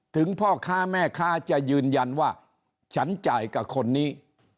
พ่อค้าแม่ค้าจะยืนยันว่าฉันจ่ายกับคนนี้